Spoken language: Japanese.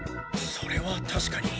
それは確かに。